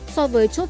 so với chốt